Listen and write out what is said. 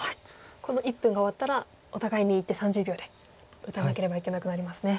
この１分が終わったらお互いに１手３０秒で打たなければいけなくなりますね。